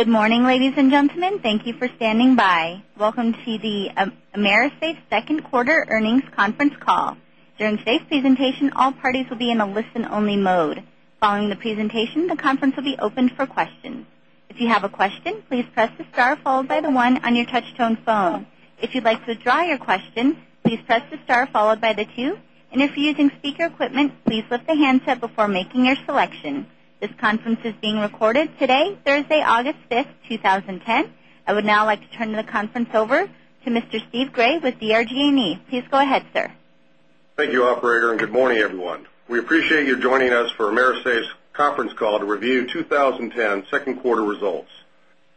Good morning, ladies and gentlemen. Thank you for standing by. Welcome to the AMERISAFE second quarter earnings conference call. During today's presentation, all parties will be in a listen-only mode. Following the presentation, the conference will be opened for questions. If you have a question, please press the star followed by the one on your touch-tone phone. If you'd like to withdraw your question, please press the star followed by the two, and if you're using speaker equipment, please lift the handset before making your selection. This conference is being recorded today, Thursday, August 5, 2010. I would now like to turn the conference over to Mr. Steve Gray with DRG&E. Please go ahead, sir. Thank you, operator, and good morning, everyone. We appreciate you joining us for AMERISAFE's conference call to review 2010 second quarter results.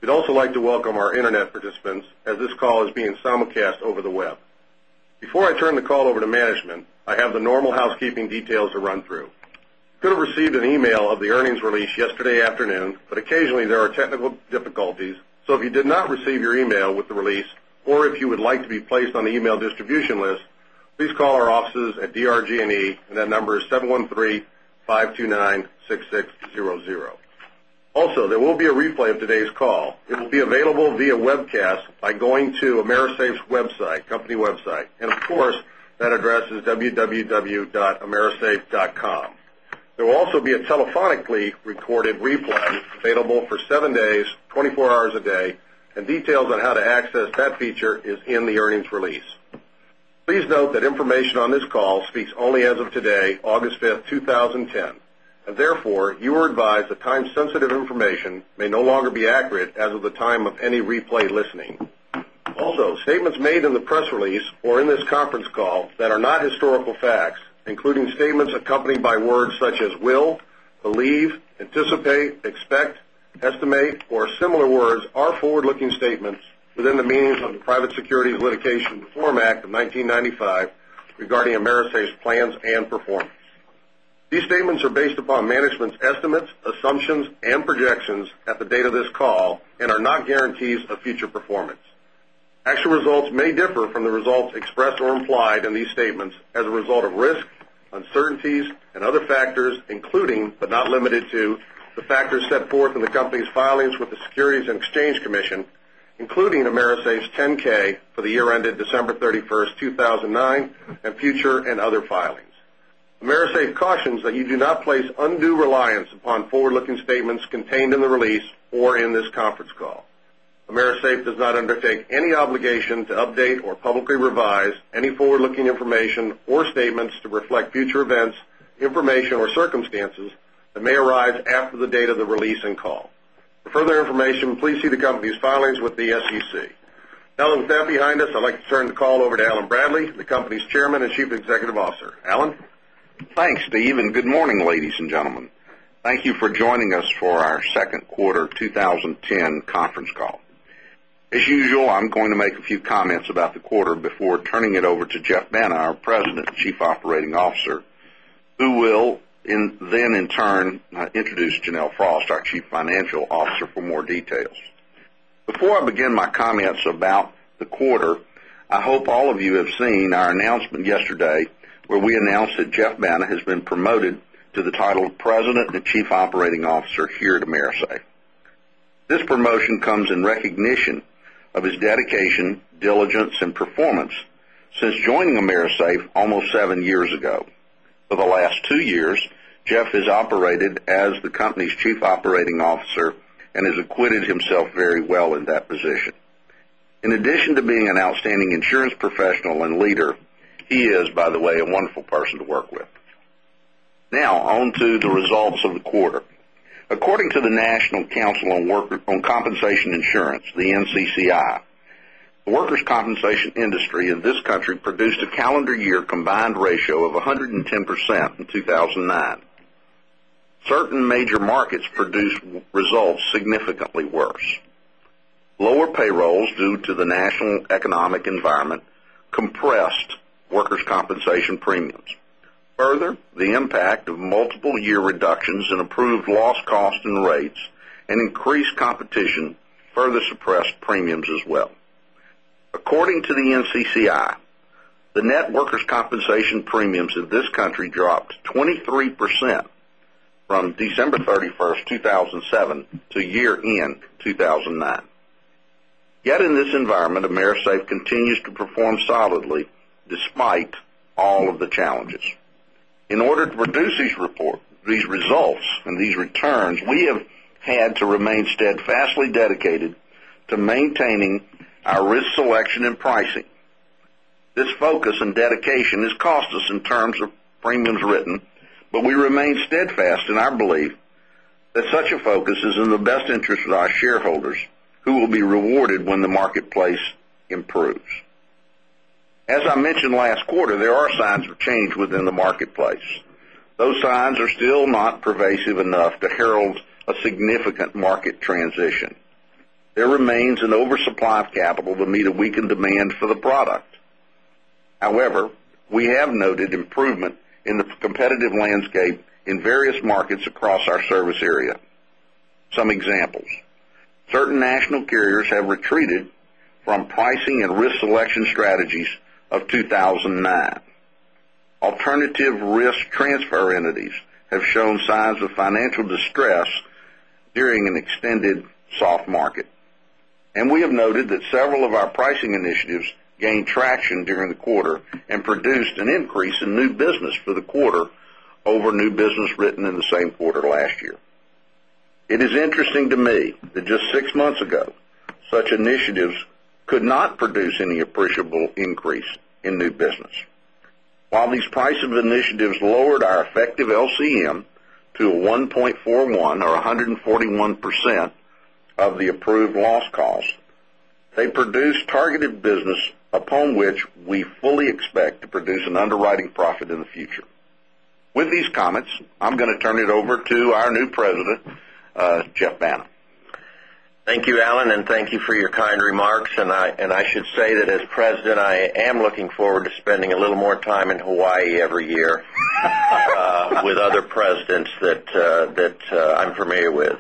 We'd also like to welcome our internet participants as this call is being simulcast over the web. Before I turn the call over to management, I have the normal housekeeping details to run through. You could have received an email of the earnings release yesterday afternoon. Occasionally, there are technical difficulties. If you did not receive your email with the release, or if you would like to be placed on the email distribution list, please call our offices at DRG&E, and that number is 713-529-6600. There will be a replay of today's call. It will be available via webcast by going to amerisafe's company website. Of course, that address is www.amerisafe.com. There will also be a telephonically recorded replay available for seven days, 24 hours a day. Details on how to access that feature is in the earnings release. Please note that information on this call speaks only as of today, August 5, 2010. Therefore, you are advised that time-sensitive information may no longer be accurate as of the time of any replay listening. Statements made in the press release or in this conference call that are not historical facts, including statements accompanied by words such as will, believe, anticipate, expect, estimate, or similar words, are forward-looking statements within the meanings of the Private Securities Litigation Reform Act of 1995 regarding AMERISAFE's plans and performance. These statements are based upon management's estimates, assumptions, and projections at the date of this call and are not guarantees of future performance. Actual results may differ from the results expressed or implied in these statements as a result of risks, uncertainties, and other factors, including, but not limited to, the factors set forth in the company's filings with the Securities and Exchange Commission, including AMERISAFE's 10-K for the year ended December 31st, 2009, and future and other filings. AMERISAFE cautions that you do not place undue reliance upon forward-looking statements contained in the release or in this conference call. AMERISAFE does not undertake any obligation to update or publicly revise any forward-looking information or statements to reflect future events, information, or circumstances that may arise after the date of the release and call. For further information, please see the company's filings with the SEC. Now that with that behind us, I'd like to turn the call over to Alan Bradley, the company's Chairman and Chief Executive Officer. Alan? Thanks, Steve, good morning, ladies and gentlemen. Thank you for joining us for our second quarter 2010 conference call. As usual, I'm going to make a few comments about the quarter before turning it over to Jeff Banta, our President and Chief Operating Officer, who will then, in turn, introduce Janelle Frost, our Chief Financial Officer, for more details. Before I begin my comments about the quarter, I hope all of you have seen our announcement yesterday, where we announced that Jeff Banta has been promoted to the title of President and Chief Operating Officer here at AMERISAFE. This promotion comes in recognition of his dedication, diligence, and performance since joining AMERISAFE almost seven years ago. For the last two years, Jeff has operated as the company's Chief Operating Officer and has acquitted himself very well in that position. In addition to being an outstanding insurance professional and leader, he is, by the way, a wonderful person to work with. Now, on to the results of the quarter. According to the National Council on Compensation Insurance, the NCCI, the workers' compensation industry in this country produced a calendar year combined ratio of 110% in 2009. Certain major markets produced results significantly worse. Lower payrolls due to the national economic environment compressed workers' compensation premiums. Further, the impact of multiple year reductions in approved loss costs and rates and increased competition further suppressed premiums as well. According to the NCCI, the net workers' compensation premiums in this country dropped 23% from December 31st, 2007, to year-end 2009. Yet in this environment, AMERISAFE continues to perform solidly despite all of the challenges. In order to produce these results and these returns, we have had to remain steadfastly dedicated to maintaining our risk selection and pricing. This focus and dedication has cost us in terms of premiums written, but we remain steadfast in our belief that such a focus is in the best interest of our shareholders, who will be rewarded when the marketplace improves. As I mentioned last quarter, there are signs of change within the marketplace. Those signs are still not pervasive enough to herald a significant market transition. There remains an oversupply of capital to meet a weakened demand for the product. However, we have noted improvement in the competitive landscape in various markets across our service area. Some examples. Certain national carriers have retreated from pricing and risk selection strategies of 2009. Alternative risk transfer entities have shown signs of financial distress during an extended soft market. We have noted that several of our pricing initiatives gained traction during the quarter and produced an increase in new business for the quarter over new business written in the same quarter last year. It is interesting to me that just six months ago, such initiatives could not produce any appreciable increase in new business. While these pricing initiatives lowered our effective ELCM to 1.41 or 141% of the approved loss cost, they produced targeted business upon which we fully expect to produce an underwriting profit in the future. With these comments, I'm going to turn it over to our new president, Jeff Banta. Thank you, Alan, and thank you for your kind remarks. I should say that as president, I am looking forward to spending a little more time in Hawaii every year with other presidents that I'm familiar with.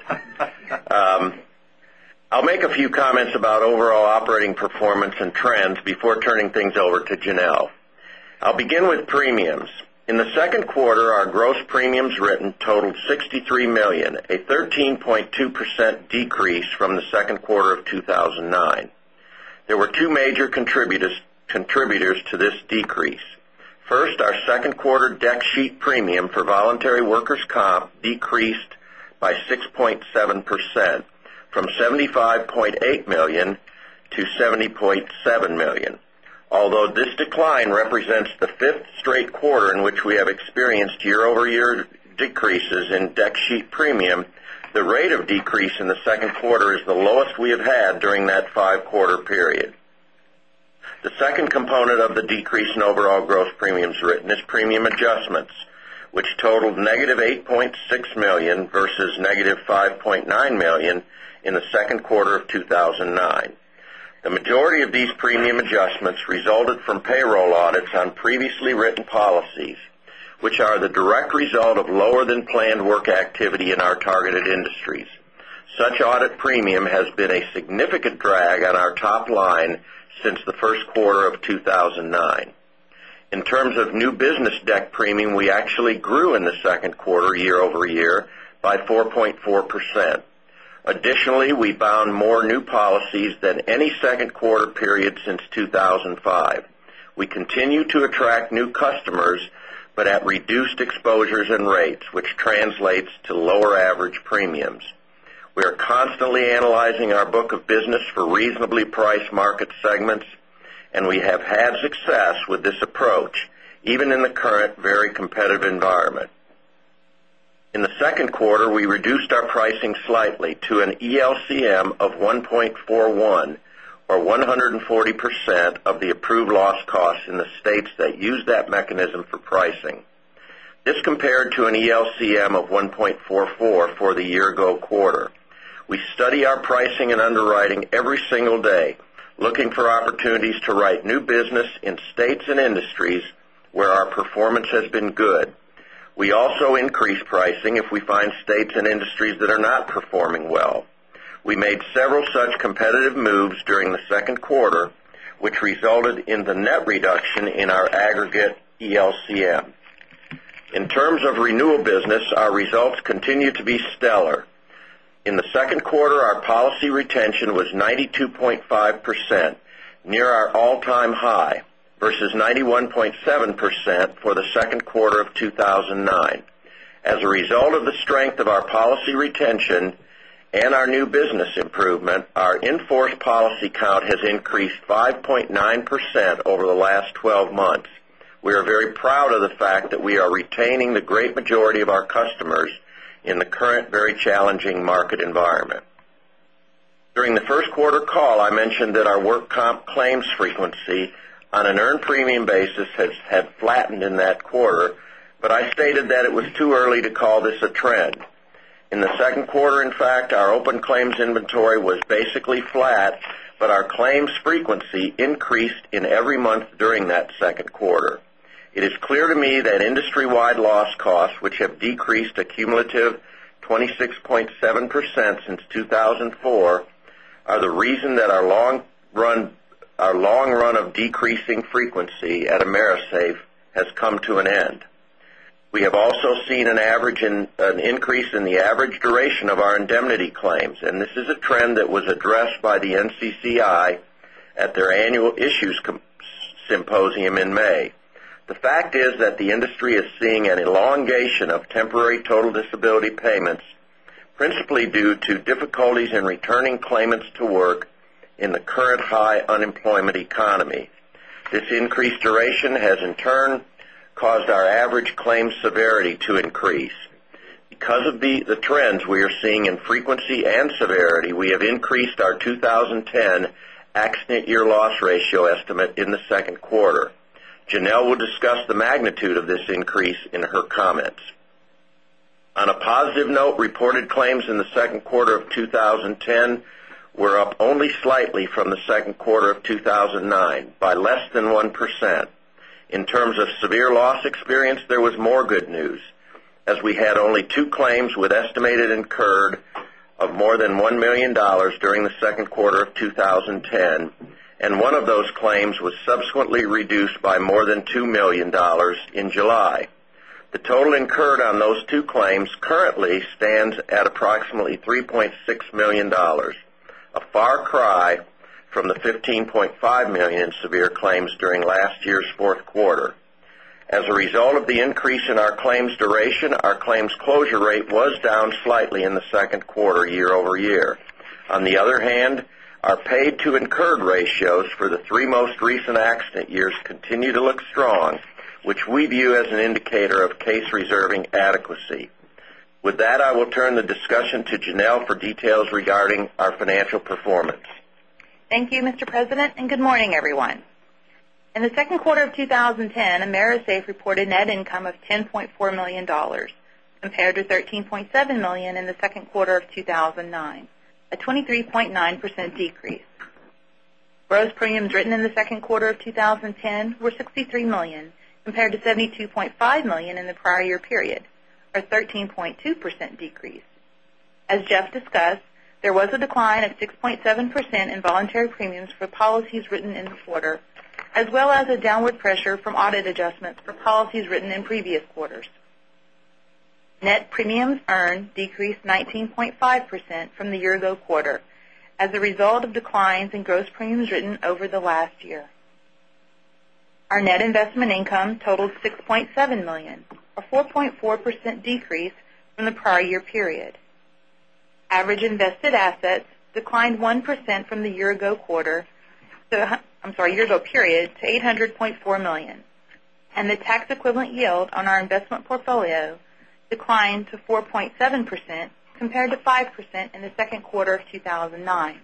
I'll make a few comments about overall operating performance and trends before turning things over to Janelle. I'll begin with premiums. In the second quarter, our gross premiums written totaled $63 million, a 13.2% decrease from the second quarter of 2009. There were two major contributors to this decrease. First, our second quarter dec sheet premium for voluntary workers' comp decreased by 6.7%, from $75.8 million to $70.7 million. Although this decline represents the fifth straight quarter in which we have experienced year-over-year decreases in dec sheet premium, the rate of decrease in the second quarter is the lowest we have had during that five-quarter period. The second component of the decrease in overall gross premiums written is premium adjustments, which totaled negative $8.6 million versus negative $5.9 million in the second quarter of 2009. The majority of these premium adjustments resulted from payroll audits on previously written policies, which are the direct result of lower-than-planned work activity in our targeted industries. Such audit premium has been a significant drag on our top line since the first quarter of 2009. In terms of new business dec sheet premium, we actually grew in the second quarter year-over-year by 4.4%. Additionally, we bound more new policies than any second quarter period since 2005. We continue to attract new customers, but at reduced exposures and rates, which translates to lower average premiums. We are constantly analyzing our book of business for reasonably priced market segments. We have had success with this approach, even in the current very competitive environment. In the second quarter, we reduced our pricing slightly to an ELCM of 1.41 or 140% of the approved loss cost in the states that use that mechanism for pricing. This compared to an ELCM of 1.44 for the year-ago quarter. We study our pricing and underwriting every single day, looking for opportunities to write new business in states and industries where our performance has been good. We also increase pricing if we find states and industries that are not performing well. We made several such competitive moves during the second quarter, which resulted in the net reduction in our aggregate ELCM. In terms of renewal business, our results continue to be stellar. In the second quarter, our policy retention was 92.5%, near our all-time high, versus 91.7% for the second quarter of 2009. As a result of the strength of our policy retention and our new business improvement, our in-force policy count has increased 5.9% over the last 12 months. We are very proud of the fact that we are retaining the great majority of our customers in the current very challenging market environment. During the first quarter call, I mentioned that our workers' comp claims frequency on an earned premium basis had flattened in that quarter. I stated that it was too early to call this a trend. In the second quarter, in fact, our open claims inventory was basically flat. Our claims frequency increased in every month during that second quarter. It is clear to me that industry-wide loss costs, which have decreased a cumulative 26.7% since 2004, are the reason that our long run of decreasing frequency at AMERISAFE has come to an end. We have also seen an increase in the average duration of our indemnity claims. This is a trend that was addressed by the NCCI at their annual issues symposium in May. The fact is that the industry is seeing an elongation of temporary total disability payments, principally due to difficulties in returning claimants to work in the current high unemployment economy. This increased duration has in turn caused our average claims severity to increase. Because of the trends we are seeing in frequency and severity, we have increased our 2010 accident year loss ratio estimate in the second quarter. Janelle will discuss the magnitude of this increase in her comments. On a positive note, reported claims in the second quarter of 2010 were up only slightly from the second quarter of 2009, by less than 1%. In terms of severe loss experience, there was more good news, as we had only two claims with estimated incurred. Of more than $1 million during the second quarter of 2010. One of those claims was subsequently reduced by more than $2 million in July. The total incurred on those two claims currently stands at approximately $3.6 million, a far cry from the $15.5 million in severe claims during last year's fourth quarter. As a result of the increase in our claims duration, our claims closure rate was down slightly in the second quarter, year-over-year. On the other hand, our paid to incurred ratios for the three most recent accident years continue to look strong, which we view as an indicator of case reserving adequacy. With that, I will turn the discussion to Janelle for details regarding our financial performance. Thank you, Mr. President. Good morning, everyone. In the second quarter of 2010, AMERISAFE reported net income of $10.4 million, compared to $13.7 million in the second quarter of 2009, a 23.9% decrease. Gross premiums written in the second quarter of 2010 were $63 million, compared to $72.5 million in the prior year period, a 13.2% decrease. As Jeff discussed, there was a decline of 6.7% in voluntary premiums for policies written in the quarter, as well as a downward pressure from audit adjustments for policies written in previous quarters. Net premiums earned decreased 19.5% from the year ago quarter as a result of declines in gross premiums written over the last year. Our net investment income totaled $6.7 million, a 4.4% decrease from the prior year period. Average invested assets declined 1% from the year ago period, to $800.4 million, and the tax equivalent yield on our investment portfolio declined to 4.7%, compared to 5% in the second quarter of 2009.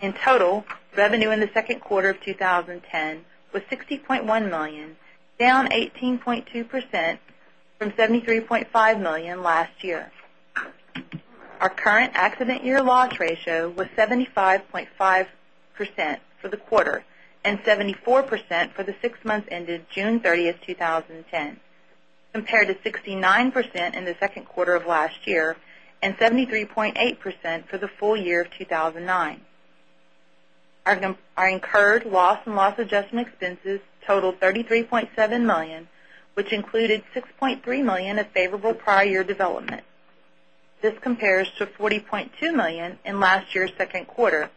In total, revenue in the second quarter of 2010 was $60.1 million, down 18.2% from $73.5 million last year. Our current accident year loss ratio was 75.5% for the quarter and 74% for the six months ended June 30th, 2010, compared to 69% in the second quarter of last year and 73.8% for the full year of 2009. Our incurred loss and loss adjustment expenses totaled $33.7 million, which included $6.3 million of favorable prior year development. This compares to $40.2 million in last year's second quarter,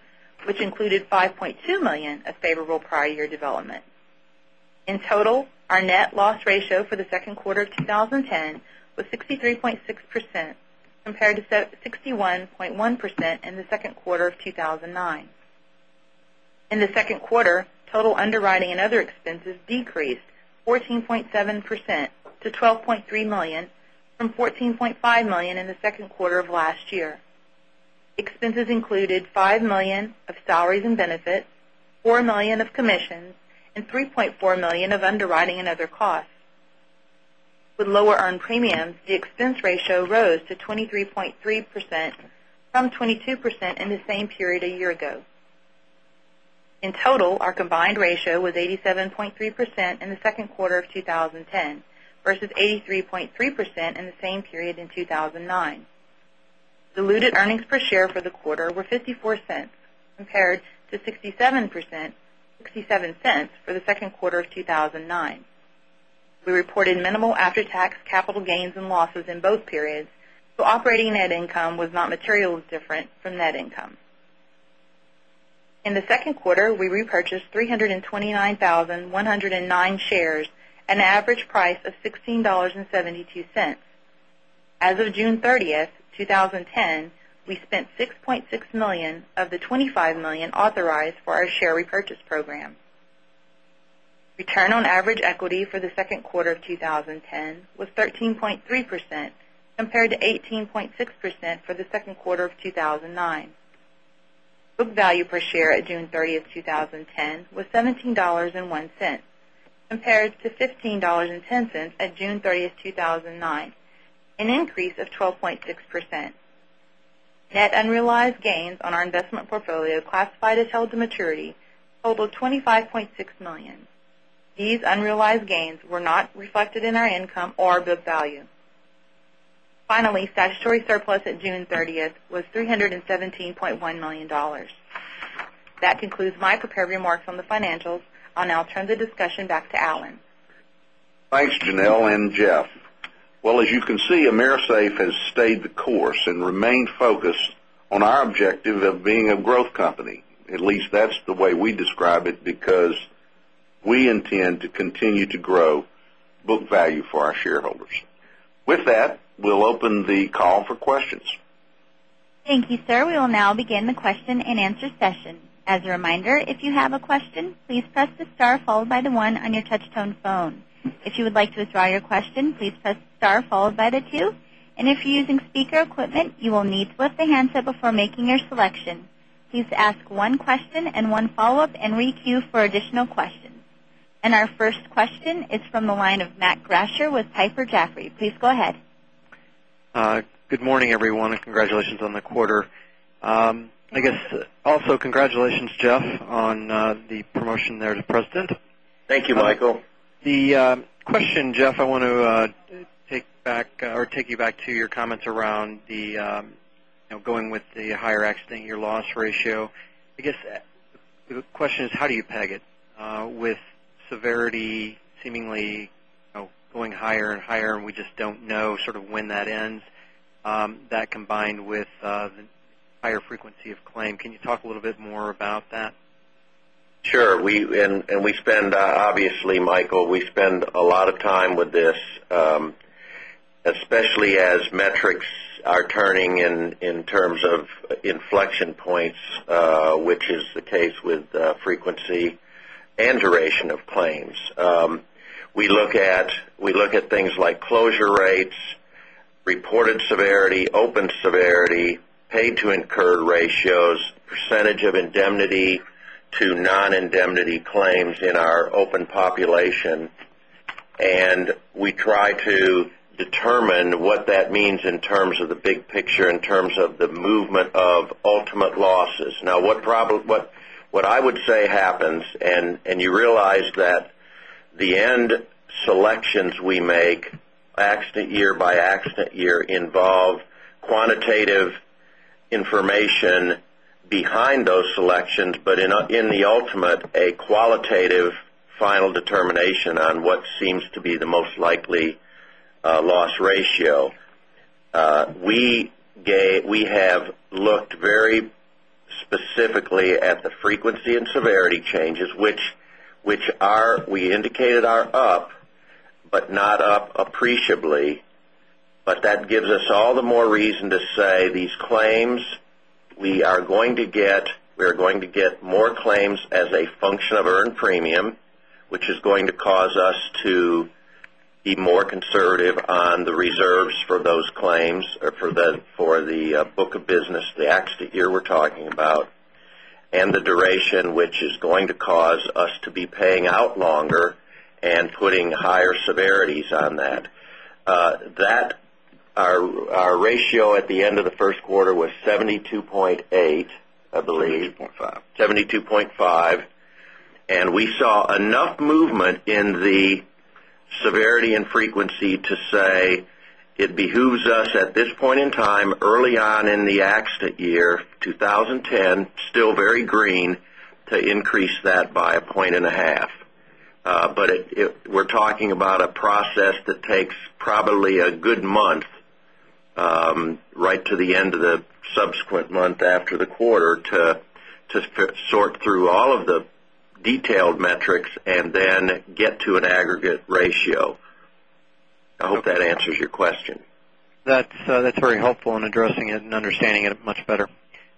which included $5.2 million of favorable prior year development. In total, our net loss ratio for the second quarter of 2010 was 63.6%, compared to 61.1% in the second quarter of 2009. In the second quarter, total underwriting and other expenses decreased 14.7% to $12.3 million from $14.5 million in the second quarter of last year. Expenses included $5 million of salaries and benefits, $4 million of commissions, and $3.4 million of underwriting and other costs. With lower earned premiums, the expense ratio rose to 23.3%, from 22% in the same period a year ago. In total, our combined ratio was 87.3% in the second quarter of 2010 versus 83.3% in the same period in 2009. Diluted earnings per share for the quarter were $0.54, compared to $0.67 for the second quarter of 2009. We reported minimal after-tax capital gains and losses in both periods, operating net income was not materially different from net income. In the second quarter, we repurchased 329,109 shares at an average price of $16.72. As of June 30th, 2010, we spent $6.6 million of the $25 million authorized for our share repurchase program. Return on average equity for the second quarter of 2010 was 13.3%, compared to 18.6% for the second quarter of 2009. Book value per share at June 30th, 2010 was $17.01 compared to $15.10 at June 30th, 2009, an increase of 12.6%. Net unrealized gains on our investment portfolio classified as held to maturity totaled $25.6 million. These unrealized gains were not reflected in our income or book value. Finally, statutory surplus at June 30th was $317.1 million. That concludes my prepared remarks on the financials. I'll now turn the discussion back to Allen. Thanks, Janelle and Geoff. As you can see, AMERISAFE has stayed the course and remained focused on our objective of being a growth company. At least that's the way we describe it because we intend to continue to grow book value for our shareholders. With that, we'll open the call for questions. Thank you, sir. We will now begin the question and answer session. As a reminder, if you have a question, please press the star followed by the one on your touch tone phone. If you would like to withdraw your question, please press star followed by the two, and if you're using speaker equipment, you will need to lift the handset before making your selection. Please ask one question and one follow-up and re-queue for additional questions. Our first question is from the line of Matthew Carletti with Piper Jaffray. Please go ahead. Good morning, everyone. Congratulations on the quarter. I guess also congratulations, Jeff, on the promotion there to President. Thank you, Michael. The question, Jeff, I want to take you back to your comments around going with the higher accident year loss ratio. I guess the question is, how do you peg it? With severity seemingly going higher and higher, we just don't know sort of when that ends, that combined with the higher frequency of claim. Can you talk a little bit more about that? Sure. Obviously, Michael, we spend a lot of time with this, especially as metrics are turning in terms of inflection points, which is the case with frequency and duration of claims. We look at things like closure rates, reported severity, open severity, paid to incurred ratios, percentage of indemnity to non-indemnity claims in our open population. We try to determine what that means in terms of the big picture, in terms of the movement of ultimate losses. What I would say happens, and you realize that the end selections we make accident year by accident year involve quantitative information behind those selections, but in the ultimate, a qualitative final determination on what seems to be the most likely loss ratio. We have looked very specifically at the frequency and severity changes, which we indicated are up, but not up appreciably. That gives us all the more reason to say these claims, we are going to get more claims as a function of earned premium, which is going to cause us to be more conservative on the reserves for those claims or for the book of business, the accident year we're talking about, and the duration, which is going to cause us to be paying out longer and putting higher severities on that. Our ratio at the end of the first quarter was 72.8%, I believe. 72.5. 72.5%. We saw enough movement in the severity and frequency to say it behooves us at this point in time, early on in the accident year 2010, still very green, to increase that by a point and a half. We're talking about a process that takes probably a good month, right to the end of the subsequent month after the quarter to sort through all of the detailed metrics and then get to an aggregate ratio. I hope that answers your question. That's very helpful in addressing it and understanding it much better.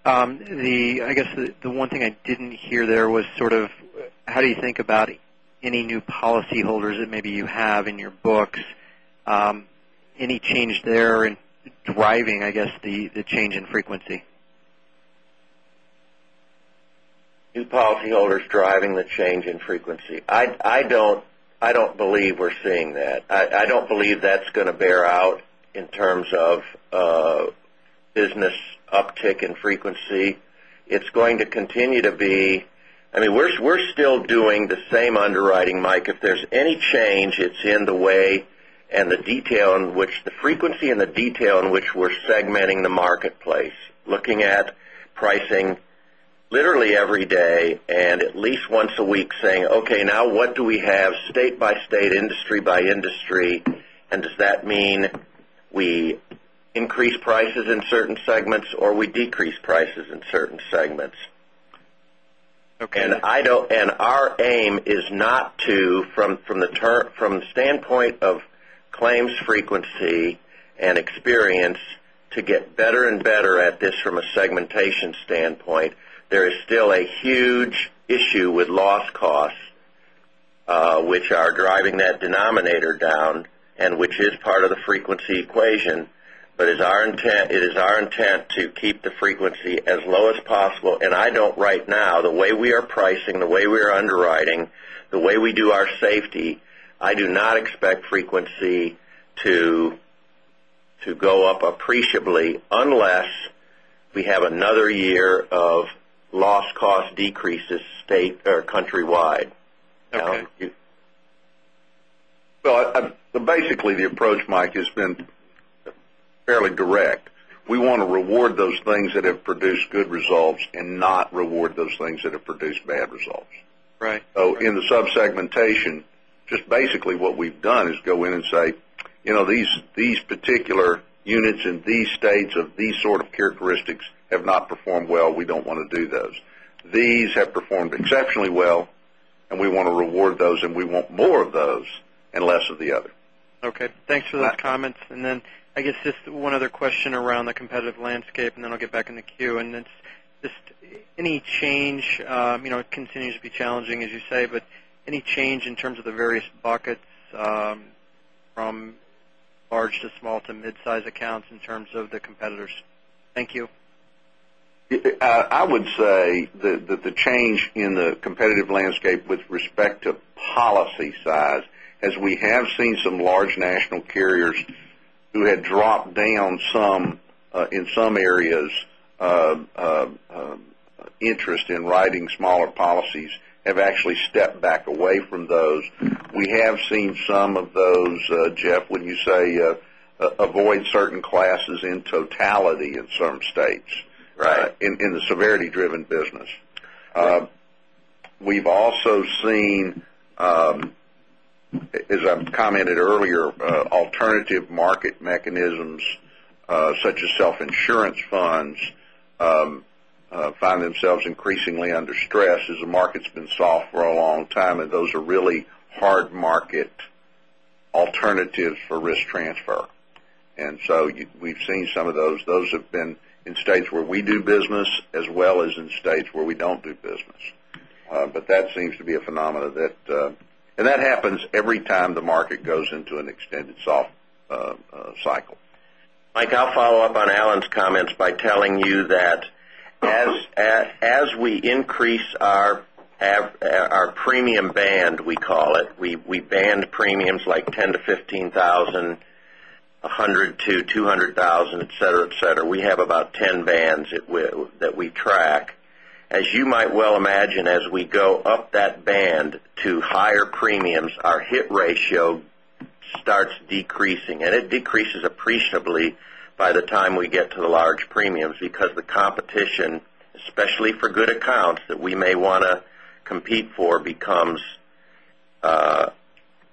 I guess the one thing I didn't hear there was sort of how do you think about any new policyholders that maybe you have in your books? Any change there in driving, I guess, the change in frequency? New policyholders driving the change in frequency. I don't believe we're seeing that. I don't believe that's going to bear out in terms of business uptick in frequency. We're still doing the same underwriting, Mike. If there's any change, it's in the way and the detail in which the frequency and the detail in which we're segmenting the marketplace, looking at pricing literally every day and at least once a week saying, okay, now what do we have state by state, industry by industry, and does that mean we increase prices in certain segments or we decrease prices in certain segments? Okay. Our aim is not to, from the standpoint of claims frequency and experience, to get better and better at this from a segmentation standpoint. There is still a huge issue with loss costs, which are driving that denominator down and which is part of the frequency equation. It is our intent to keep the frequency as low as possible. I don't right now, the way we are pricing, the way we are underwriting, the way we do our safety, I do not expect frequency to go up appreciably unless we have another year of loss cost decreases countrywide. Okay. Basically, the approach, Mike, has been fairly direct. We want to reward those things that have produced good results and not reward those things that have produced bad results. Right. In the sub-segmentation, just basically what we've done is go in and say, these particular units in these states of these sort of characteristics have not performed well. We don't want to do those. These have performed exceptionally well, and we want to reward those, and we want more of those and less of the other. Okay. Thanks for those comments. I guess just one other question around the competitive landscape. Then I'll get back in the queue. It's just any change. It continues to be challenging, as you say, but any change in terms of the various buckets from large to small to mid-size accounts in terms of the competitors? Thank you. I would say that the change in the competitive landscape with respect to policy size, as we have seen some large national carriers who had dropped down in some areas of interest in writing smaller policies have actually stepped back away from those. We have seen some of those, Jeff, when you say avoid certain classes in totality in some states. Right In the severity-driven business. We've also seen, as I've commented earlier, alternative market mechanisms, such as self-insurance funds, find themselves increasingly under stress as the market's been soft for a long time, and those are really hard market alternatives for risk transfer. We've seen some of those. Those have been in states where we do business as well as in states where we don't do business. That seems to be a phenomenon that. That happens every time the market goes into an extended soft cycle. Mike, I'll follow up on Allen's comments by telling you that as we increase our premium band, we call it, we band premiums like $10,000-$15,000, $100,000-$200,000, et cetera. We have about 10 bands that we track. As you might well imagine, as we go up that band to higher premiums, our hit ratio starts decreasing, and it decreases appreciably by the time we get to the large premiums because the competition, especially for good accounts that we may want to compete for, becomes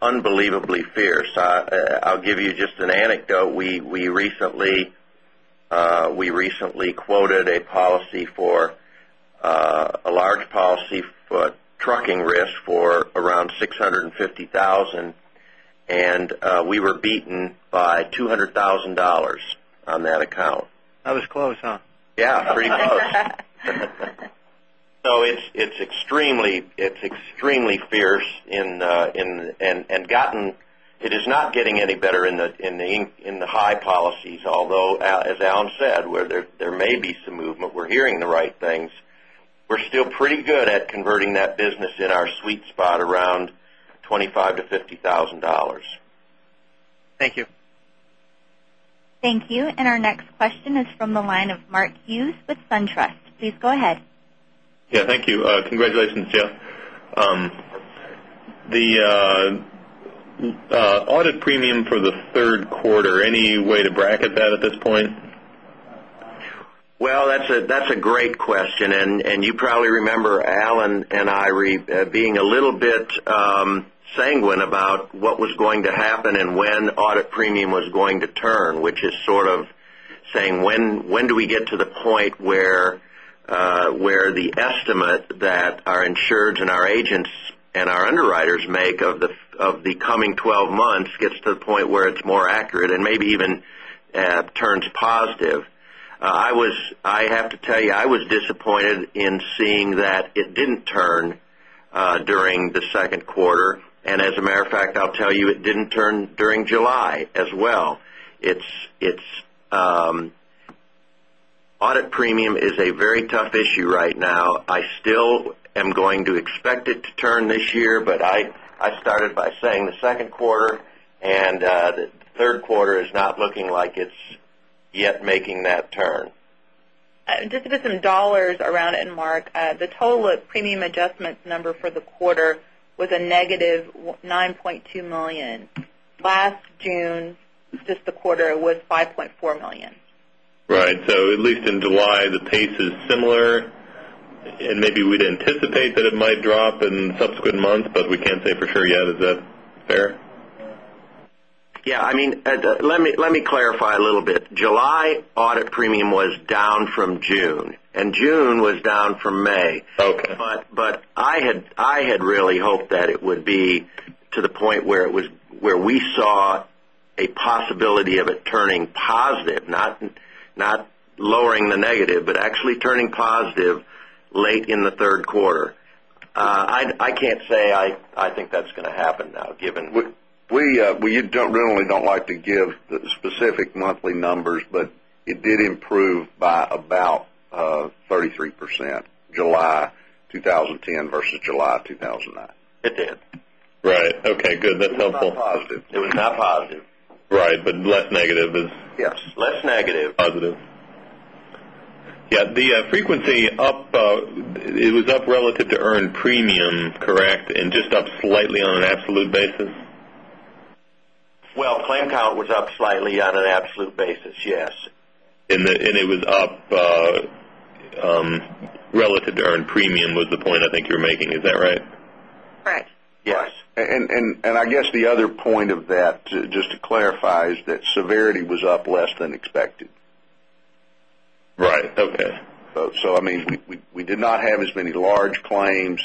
unbelievably fierce. I'll give you just an anecdote. We recently quoted a policy for a large policy for trucking risk for around $650,000, and we were beaten by $200,000 on that account. That was close, huh? Yeah, pretty close. It's extremely fierce and it is not getting any better in the high policies, although, as C. Allen said, where there may be some movement, we're hearing the right things. We're still pretty good at converting that business in our sweet spot around $25,000-$50,000. Thank you. Thank you. Our next question is from the line of Mark Hughes with SunTrust. Please go ahead. Yeah, thank you. Congratulations, Jeff. The audit premium for the third quarter, any way to bracket that at this point? Well, that's a great question, and you probably remember Alan and I being a little bit sanguine about what was going to happen and when audit premium was going to turn, which is sort of saying, when do we get to the point where the estimate that our insureds and our agents and our underwriters make of the coming 12 months gets to the point where it's more accurate and maybe even turns positive. I have to tell you, I was disappointed in seeing that it didn't turn during the second quarter. As a matter of fact, I'll tell you, it didn't turn during July as well. Audit premium is a very tough issue right now. I still am going to expect it to turn this year, but I started by saying the second quarter and the third quarter is not looking like it's yet making that turn. Just to put some dollars around it, Mark, the total premium adjustments number for the quarter was a negative $9.2 million. Last June, just the quarter, was $5.4 million. Right. At least in July, the pace is similar, and maybe we'd anticipate that it might drop in subsequent months, but we can't say for sure yet. Is that fair? Yeah, let me clarify a little bit. July audit premium was down from June, and June was down from May. Okay. I had really hoped that it would be to the point where we saw a possibility of it turning positive, not lowering the negative, but actually turning positive late in the third quarter. I can't say I think that's going to happen now. We generally don't like to give the specific monthly numbers. It did improve by about 33% July 2010 versus July 2009. It did. Right. Okay, good. That's helpful. It was not positive. Right, less negative. Yes. Less negative positive. Yeah, the frequency, it was up relative to earned premium, correct? Just up slightly on an absolute basis? Well, claim count was up slightly on an absolute basis, yes. It was up relative to earned premium was the point I think you were making. Is that right? Right. Yes. I guess the other point of that, just to clarify, is that severity was up less than expected. Right. Okay. We did not have as many large claims.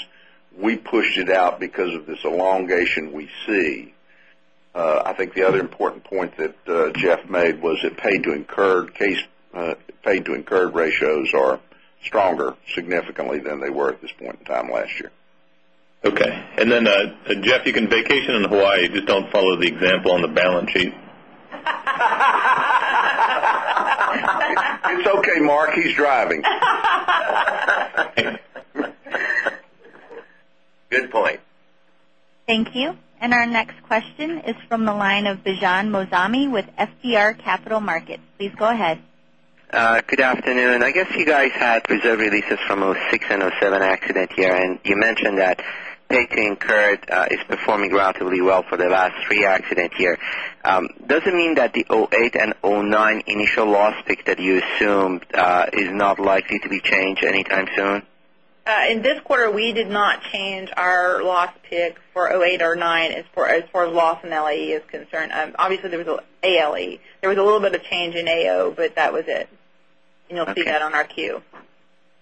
We pushed it out because of this elongation we see. I think the other important point that Jeff made was it paid to incurred ratios are stronger significantly than they were at this point in time last year. Okay. Jeff, you can vacation in Hawaii, just don't follow the example on the balance sheet. It's okay, Mark, he's driving. Thank you. Our next question is from the line of Bijan Moazami with FBR Capital Markets. Please go ahead. Good afternoon. I guess you guys had reserve releases from 2006 and 2007 accident year, and you mentioned that paid to incurred is performing relatively well for the last three accident years. Does it mean that the 2008 and 2009 initial loss pick that you assumed is not likely to be changed anytime soon? In this quarter, we did not change our loss pick for 2008 or 2009 as far as ALAE is concerned. Obviously, ALAE. There was a little bit of change in ULAE, but that was it. Okay. You'll see that on our Q.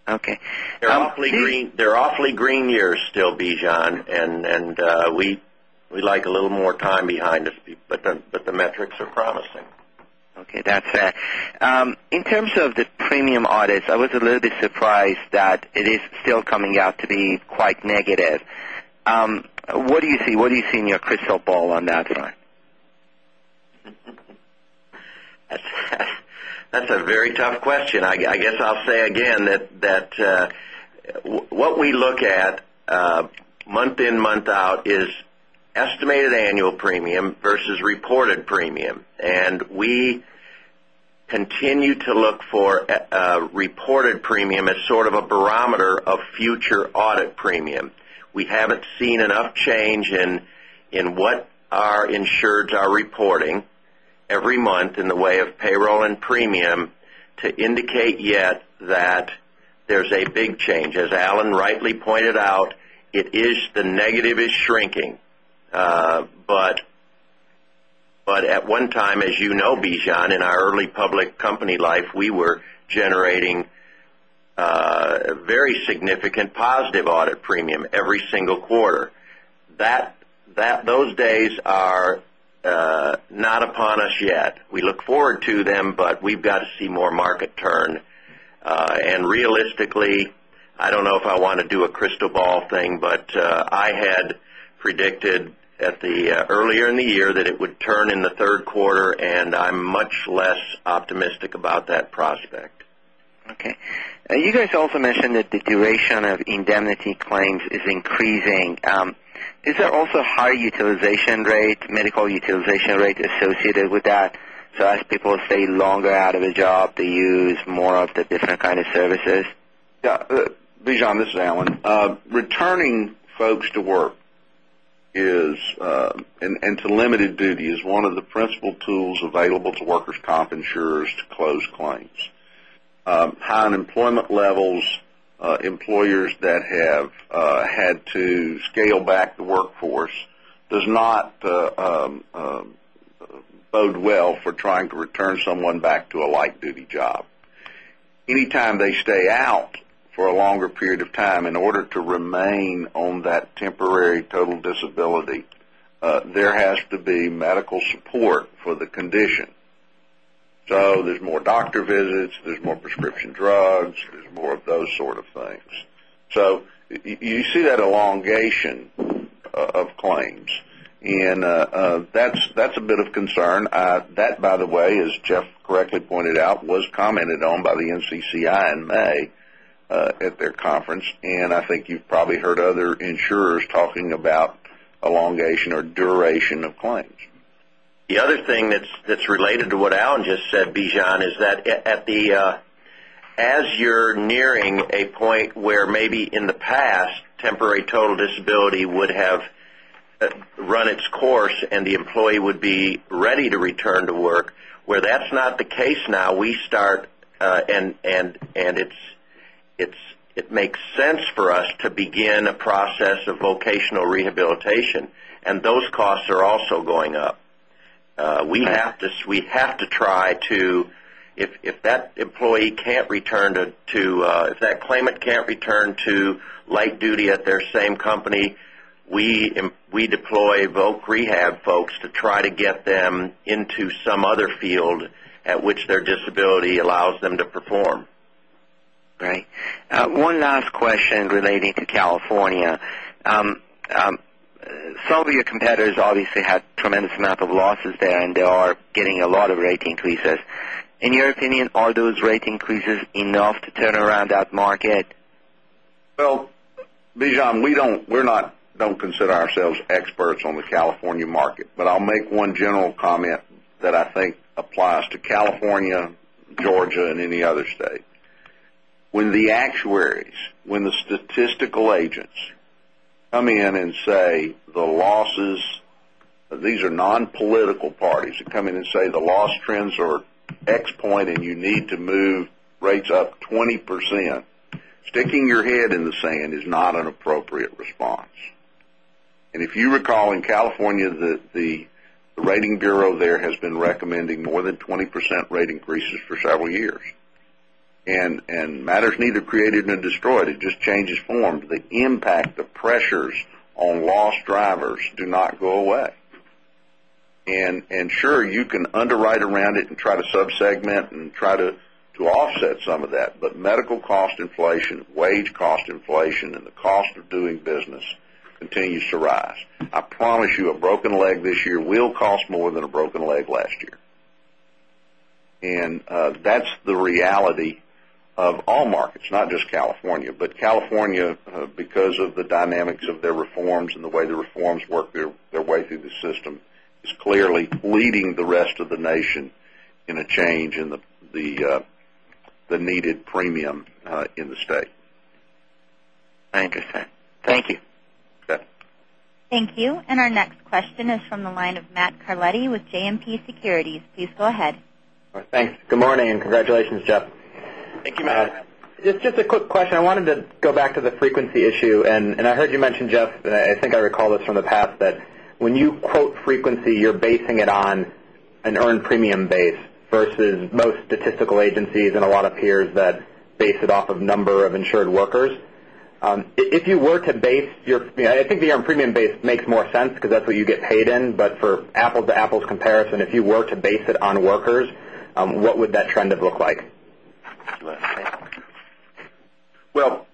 Okay. They're awfully green years still, Bijan, we'd like a little more time behind us, the metrics are promising. Okay, that's it. In terms of the premium audits, I was a little bit surprised that it is still coming out to be quite negative. What do you see in your crystal ball on that front? That's a very tough question. I guess I'll say again that what we look at month in, month out is estimated annual premium versus reported premium. We continue to look for a reported premium as sort of a barometer of future audit premium. We haven't seen enough change in what our insureds are reporting every month in the way of payroll and premium to indicate yet that there's a big change. As Allen rightly pointed out, the negative is shrinking. At one time, as you know, Bijan, in our early public company life, we were generating very significant positive audit premium every single quarter. Those days are not upon us yet. We look forward to them, we've got to see more market turn. Realistically, I don't know if I want to do a crystal ball thing, I had predicted earlier in the year that it would turn in the third quarter, I'm much less optimistic about that prospect. Okay. You guys also mentioned that the duration of indemnity claims is increasing. Is there also high medical utilization rate associated with that? As people stay longer out of a job, they use more of the different kind of services? Bijan, this is Allen. Returning folks to work and to limited duty is one of the principal tools available to workers' comp insurers to close claims. High unemployment levels, employers that have had to scale back the workforce, does not bode well for trying to return someone back to a light-duty job. Anytime they stay out for a longer period of time in order to remain on that temporary total disability, there has to be medical support for the condition. There's more doctor visits, there's more prescription drugs, there's more of those sort of things. You see that elongation of claims, and that's a bit of concern. That, by the way, as Geoff correctly pointed out, was commented on by the NCCI in May at their conference, and I think you've probably heard other insurers talking about elongation or duration of claims. The other thing that's related to what Allen just said, Bijan, is that as you're nearing a point where maybe in the past, temporary total disability would have run its course and the employee would be ready to return to work, where that's not the case now, and it makes sense for us to begin a process of vocational rehabilitation, and those costs are also going up. If that claimant can't return to light duty at their same company, we deploy voc rehab folks to try to get them into some other field at which their disability allows them to perform. Right. One last question relating to California. Some of your competitors obviously had tremendous amount of losses there, and they are getting a lot of rate increases. In your opinion, are those rate increases enough to turn around that market? Bijan, we don't consider ourselves experts on the California market. I'll make one general comment that I think applies to California, Georgia, and any other state. When the actuaries, when the statistical agents come in and say the losses, these are non-political parties that come in and say the loss trends are X point and you need to move rates up 20%, sticking your head in the sand is not an appropriate response. If you recall in California, the rating bureau there has been recommending more than 20% rate increases for several years. Matters neither created nor destroyed. It just changes form. The impact, the pressures on loss drivers do not go away. Sure, you can underwrite around it and try to sub-segment and try to offset some of that. Medical cost inflation, wage cost inflation, and the cost of doing business continues to rise. I promise you a broken leg this year will cost more than a broken leg last year. That's the reality of all markets, not just California. California, because of the dynamics of their reforms and the way the reforms work their way through the system, is clearly leading the rest of the nation in a change in the needed premium in the state. Interesting. Thank you. Okay. Thank you. Our next question is from the line of Matt Carletti with JMP Securities. Please go ahead. All right, thanks. Good morning, and congratulations, Jeff. Thank you, Matt. Just a quick question. I wanted to go back to the frequency issue. I heard you mention, Jeff, and I think I recall this from the past, that when you quote frequency, you're basing it on an earned premium base versus most statistical agencies and a lot of peers that base it off of number of insured workers. I think the earned premium base makes more sense because that's what you get paid in, for apples-to-apples comparison, if you were to base it on workers, what would that trend have looked like? Well,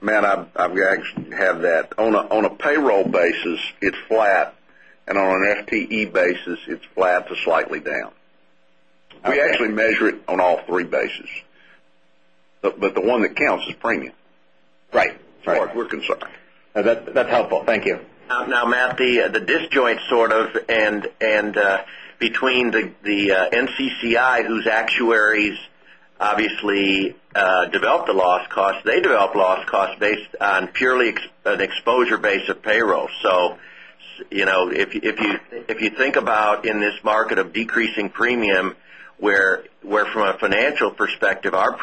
Matt, I actually have that. On a payroll basis, it's flat, on an FTE basis, it's flat to slightly down. We actually measure it on all three bases. The one that counts is premium. Right. As far as we're concerned. That's helpful. Thank you. Now, Matt, the disjoint sort of between the NCCI, whose actuaries obviously develop the loss cost. They develop loss cost based on purely an exposure base of payroll. If you think about in this market of decreasing premium, where from a financial perspective, our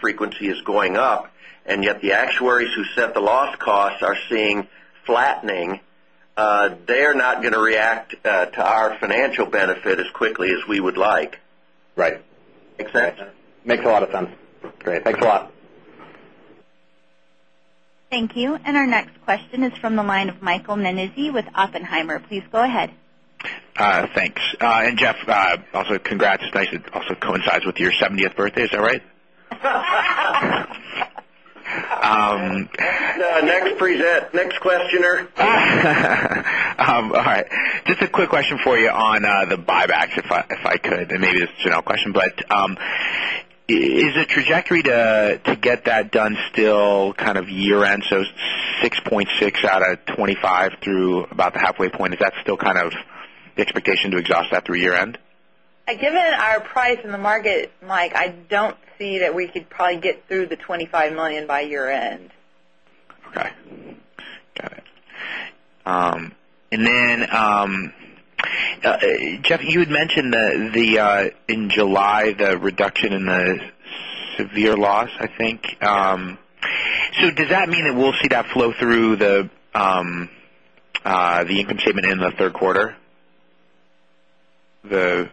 frequency is going up, and yet the actuaries who set the loss costs are seeing flattening, they're not going to react to our financial benefit as quickly as we would like. Right. Make sense? Makes a lot of sense. Great. Thanks a lot. Thank you. Our next question is from the line of Michael Nannizzi with Oppenheimer. Please go ahead. Thanks. Jeff, also congrats. It also coincides with your 70th birthday. Is that right? Next questioner. All right. Just a quick question for you on the buybacks, if I could, and maybe this is a Janelle question, but is the trajectory to get that done still kind of year-end? 6.6 out of 25 through about the halfway point, is that still kind of the expectation to exhaust that through year-end? Given our price in the market, Mike, I don't see that we could probably get through the $25 million by year-end. Okay. Got it. Jeff, you had mentioned in July the reduction in the severe loss, I think. Does that mean that we'll see that flow through the income statement in the third quarter? Well,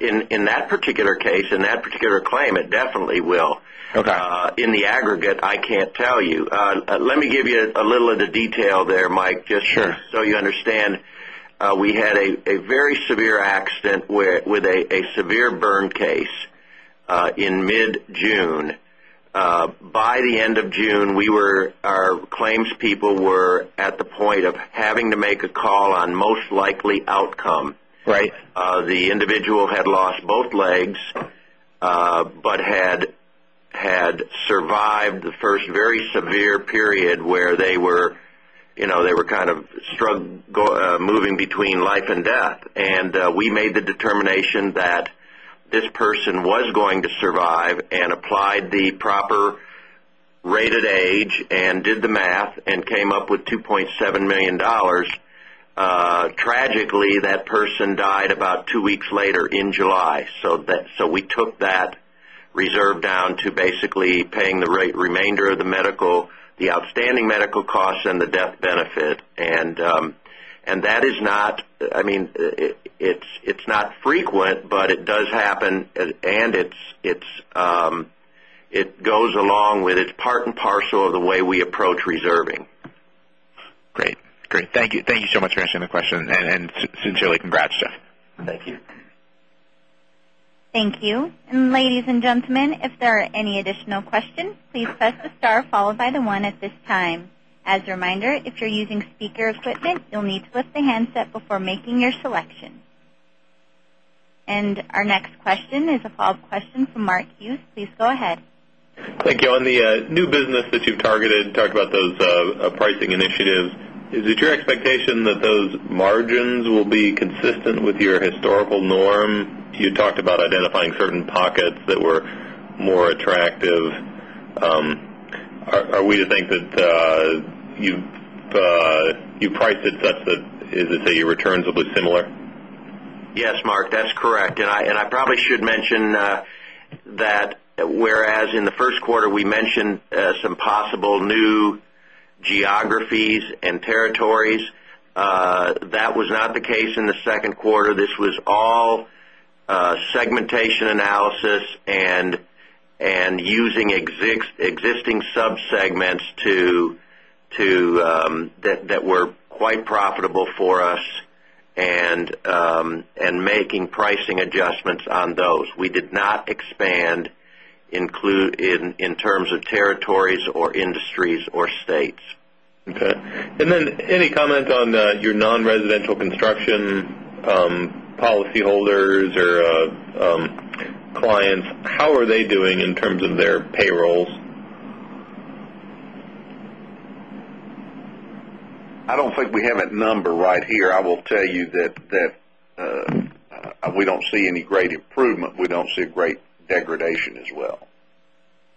in that particular case, in that particular claim, it definitely will. Okay. In the aggregate, I can't tell you. Let me give you a little of the detail there, Mike. Sure You understand. We had a very severe accident with a severe burn case in mid-June. By the end of June, our claims people were at the point of having to make a call on most likely outcome. Right. The individual had lost both legs, but had survived the first very severe period where they were kind of moving between life and death. We made the determination that this person was going to survive and applied the proper rated age and did the math and came up with $2.7 million. Tragically, that person died about two weeks later in July. We took that reserve down to basically paying the remainder of the outstanding medical costs and the death benefit. It's not frequent, but it does happen, and it goes along with, it's part and parcel of the way we approach reserving. Great. Thank you so much for answering the question, and sincerely congrats, Jeff. Thank you. Thank you. Ladies and gentlemen, if there are any additional questions, please press the star followed by the one at this time. As a reminder, if you are using speaker equipment, you will need to lift the handset before making your selection. Our next question is a follow-up question from Mark Hughes. Please go ahead. Thank you. On the new business that you have targeted, talked about those pricing initiatives, is it your expectation that those margins will be consistent with your historical norm? You talked about identifying certain pockets that were more attractive. Are we to think that you have priced it such that, is it that your returns will be similar? Yes, Mark, that is correct. I probably should mention that whereas in the first quarter, we mentioned some possible new geographies and territories, that was not the case in the second quarter. This was all segmentation analysis and using existing sub-segments that were quite profitable for us and making pricing adjustments on those. We did not expand in terms of territories or industries or states. Okay. Any comment on your non-residential construction policyholders or clients? How are they doing in terms of their payrolls? I don't think we have that number right here. I will tell you that we don't see any great improvement. We don't see great degradation as well.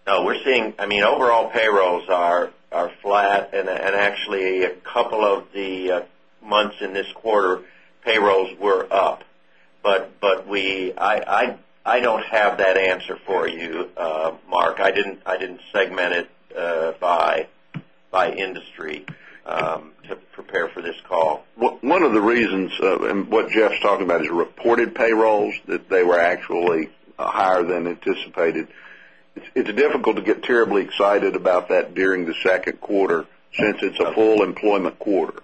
No, overall, payrolls are flat. Actually, a couple of the months in this quarter, payrolls were up. I don't have that answer for you, Mark. I didn't segment it by industry to prepare for this call. One of the reasons, and what Jeff's talking about is reported payrolls, that they were actually higher than anticipated. It's difficult to get terribly excited about that during the second quarter since it's a full employment quarter.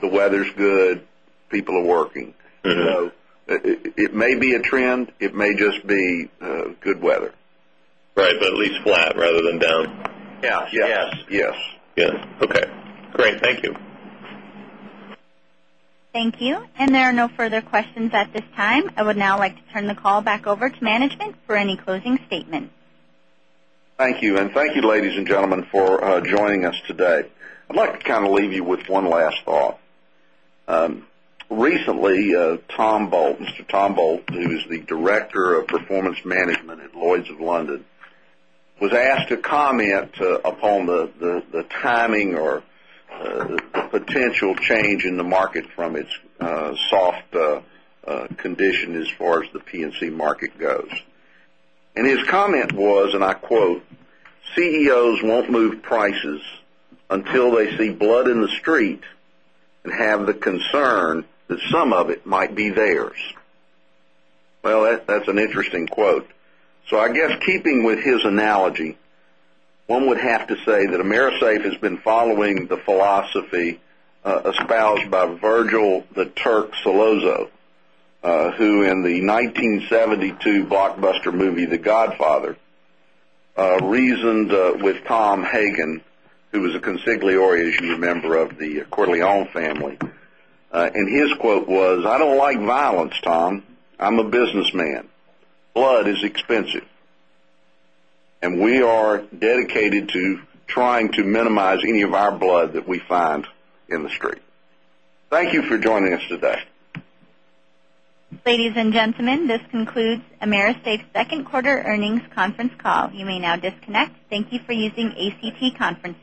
The weather's good, people are working. It may be a trend. It may just be good weather. Right. At least flat rather than down. Yes. Yes. Yes. Okay, great. Thank you. Thank you. There are no further questions at this time. I would now like to turn the call back over to management for any closing statements. Thank you. Thank you, ladies and gentlemen, for joining us today. I'd like to kind of leave you with one last thought. Recently, Tom Bolt, Mr. Tom Bolt, who is the Director of Performance Management at Lloyd's of London, was asked to comment upon the timing or potential change in the market from its soft condition as far as the P&C market goes. His comment was, and I quote, "CEOs won't move prices until they see blood in the street and have the concern that some of it might be theirs." That's an interesting quote. I guess keeping with his analogy, one would have to say that AMERISAFE has been following the philosophy espoused by Virgil "The Turk" Sollozzo, who in the 1972 blockbuster movie, "The Godfather," reasoned with Tom Hagen, who was a consigliere, as you remember, of the Corleone family. His quote was, "I don't like violence, Tom. I'm a businessman. Blood is expensive." We are dedicated to trying to minimize any of our blood that we find in the street. Thank you for joining us today. Ladies and gentlemen, this concludes AMERISAFE's second quarter earnings conference call. You may now disconnect. Thank you for using ACT Teleconferencing.